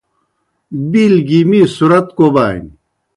بِیل گیْ می صُرَت کوبانیْ۔